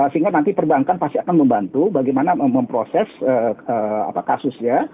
sehingga nanti perbankan pasti akan membantu bagaimana memproses kasusnya